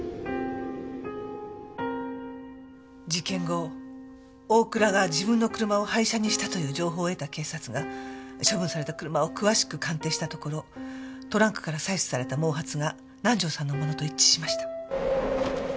事件後大倉が自分の車を廃車にしたという情報を得た警察が処分された車を詳しく鑑定したところトランクから採取された毛髪が南条さんのものと一致しました。